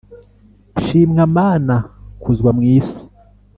shimwa, mana kuzwa mw isi.